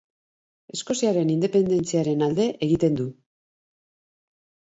Eskoziaren independentziaren alde egiten du.